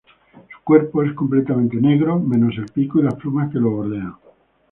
Su cuerpo es completamente negro, menos el pico y las plumas que lo bordean.